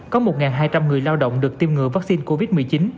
có một hai trăm linh người lao động được tiêm ngừa vaccine covid một mươi chín